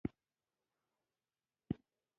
مقررې د ادارو د تنظیم لپاره دي